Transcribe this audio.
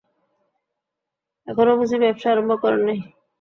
এখনো বুঝি ব্যাবসা আরম্ভ করেন নাই?